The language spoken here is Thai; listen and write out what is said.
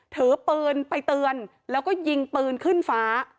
ถือปืนไปเตือนแล้วก็ยิงปืนขึ้นฟ้า